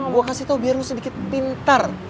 gue kasih tau biar lo sedikit pintar